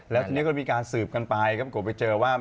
แล้วทีนี้ก็มีการสืบกันไปก็ปรากฏไปเจอว่า